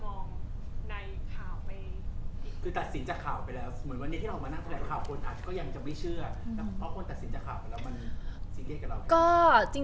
แต่พอคนตัดสินจากข่าวไปแล้วมันซีเรียสกับเรา